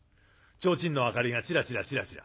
提灯の明かりがチラチラチラチラ。